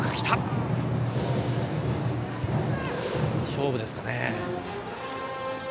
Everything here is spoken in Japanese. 勝負ですかね。